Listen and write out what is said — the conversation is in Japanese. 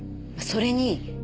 それに。